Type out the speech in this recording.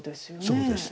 そうです。